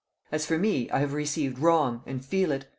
As for me, I have received wrong, and feel it.